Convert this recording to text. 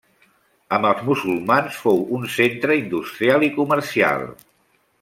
Amb els musulmans fou un centre industrial i comercial.